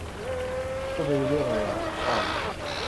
พูดไม่รู้เรื่องเลยอ่ะ เศร้า